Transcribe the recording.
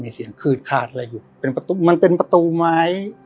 มีเสียงขืดขาดอะไรอยู่เป็นประตูมันเป็นประตูไหม